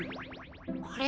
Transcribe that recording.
あれ？